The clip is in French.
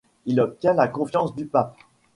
Il obtient la confiance du pape.